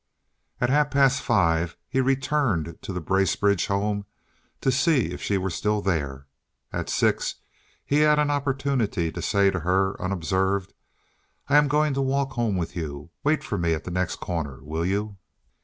At half past five he returned to the Bracebridge home to see if she were still there. At six he had an opportunity to say to her, unobserved, "I am going to walk home with you. Wait for me at the next corner, will you?"